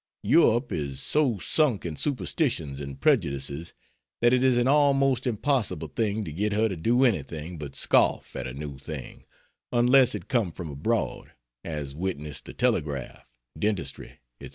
Europe is so sunk in superstitions and prejudices that it is an almost impossible thing to get her to do anything but scoff at a new thing unless it come from abroad; as witness the telegraph, dentistry, &c.